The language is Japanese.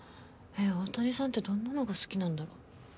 大谷さんてどんなのが好きなんだろ。